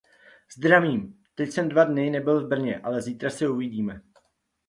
Zdravím, teď jsem dva dny nebyl v Brně, ale zítra se uvidíme.